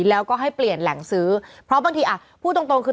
แล้วก็ให้เปลี่ยนแหล่งซื้อเพราะบางทีอ่ะพูดตรงตรงคือ